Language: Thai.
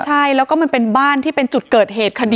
ใช่แล้วก็มันเป็นบ้านที่เป็นจุดเกิดเหตุคดี